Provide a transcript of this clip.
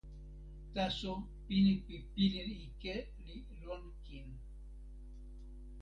taso pini pi pilin ike li lon kin.